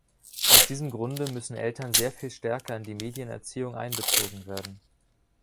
Aus diesem Grunde müssen Eltern sehr viel stärker in die Medienerziehung einbezogen werden.